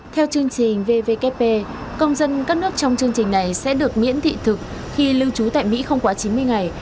theo chương trình vvkp công dân các nước trong chương trình này sẽ được miễn thị thực khi lưu trú tại mỹ không quá chín mươi ngày